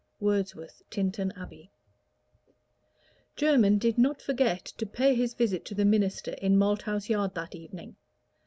WORDSWORTH: Tintern Abbey. Jermyn did not forget to pay his visit to the minister in Malthouse Yard that evening.